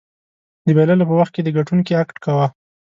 د بایللو په وخت کې د ګټونکي اکټ کوه.